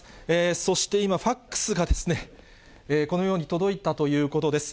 そして今、ファックスが、このように届いたということです。